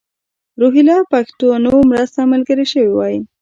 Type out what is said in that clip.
روهیله پښتنو مرسته ملګرې شوې وای.